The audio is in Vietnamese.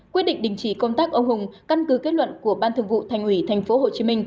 quyết định đình chỉ công tác ông hùng căn cứ kết luận của ban thường vụ thành ủy tp hcm